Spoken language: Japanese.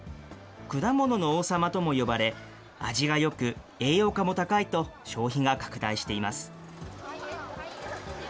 果物の王様とも呼ばれ、味がよく、栄養価も高いと、消費が拡大しています。